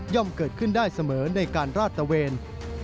ย่อมเกิดขึ้นได้เสมอในการละตะเวียน